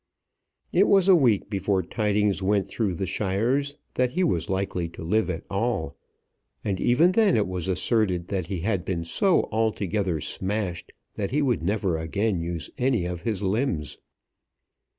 It was a week before tidings went through the Shires that he was likely to live at all, and even then it was asserted that he had been so altogether smashed that he would never again use any of his limbs.